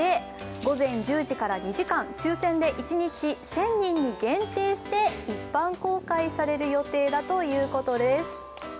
午前１０時から２時間、抽選で１日１０００人に限定して一般公開される予定だということです。